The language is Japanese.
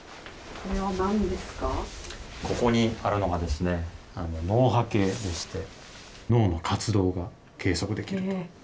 ここにあるのが脳波計でして、脳の活動が計測できると。